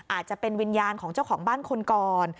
อาจจะเป็นวิญญาณของเจ้าของบ้านคนก่อน